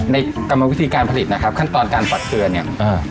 ในกรรมวิธีการผลิตนะครับขั้นตอนการตักเตือนเนี่ยอ่า